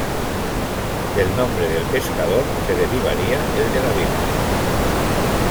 Del nombre del pescador se derivaría el de la Virgen.